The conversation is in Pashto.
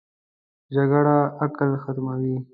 جګړه عقل ختموي